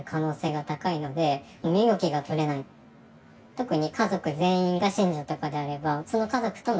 特に。